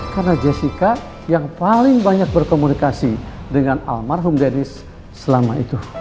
karena jessica yang paling banyak berkomunikasi dengan almarhum dennis selama itu